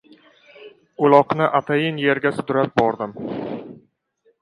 Uloqni atayin yerda sudrab bordim.